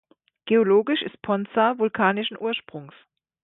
Geologisch ist Ponza vulkanischen Ursprungs.